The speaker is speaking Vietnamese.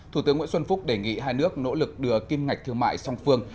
thủ tướng nguyễn xuân phúc đề nghị hai nước nỗ lực đưa kim ngạch thương mại song phương